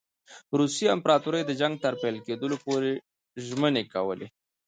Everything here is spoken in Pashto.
روسي امپراطوري د جنګ تر پیل کېدلو پوري ژمنې کولې.